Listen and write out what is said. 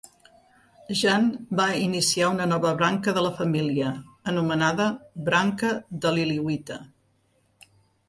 Jan va iniciar una nova branca de la família, anomenada "branca de Leliwita".